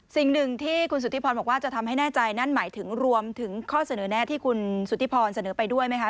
สิ่งหนึ่งที่คุณสุธิพรบอกว่าจะทำให้แน่ใจนั่นหมายถึงรวมถึงข้อเสนอแน่ที่คุณสุธิพรเสนอไปด้วยไหมคะ